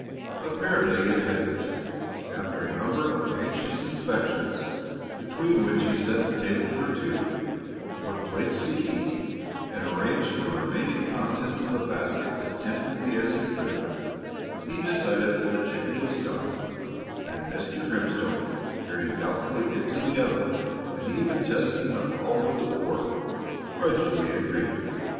Apparently it hadn't. After a number of anxious inspections, between which he set the table for two, put plates to heat, and arranged the remaining contents of the basket as temptingly as he could, he decided that the chicken was done, and Mr. Grimstone, peering doubtfully into the oven and even testing the fowl with a fork, grudgingly agreed.